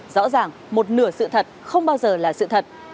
rõ ràng một nửa sự thật không bao giờ là sự thật